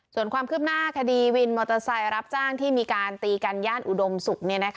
ส่วนความคืบหน้าคดีวินมอเตอร์ไซค์รับจ้างที่มีการตีกันย่านอุดมศุกร์